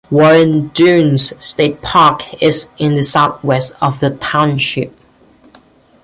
Warren Dunes State Park is in the southwest of the township.